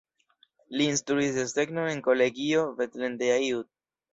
Li instruis desegnon en Kolegio Bethlen de Aiud.